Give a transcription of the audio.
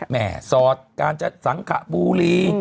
แหมซอสการจะสังหะบูรี